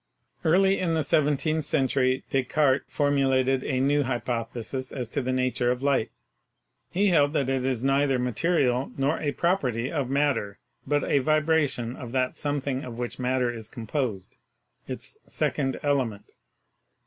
Early in the seventeenth century Descartes formulated a new hypothesis as to the nature of light. He held that it is neither material nor a prop erty of matter, but a vibration of that something of which matter is composed, its "second element."